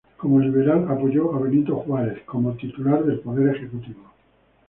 Como liberal, apoyó a Benito Juárez como titular del Poder Ejecutivo.